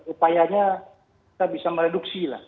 upayanya kita bisa mereduksi lah